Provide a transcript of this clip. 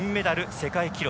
世界記録。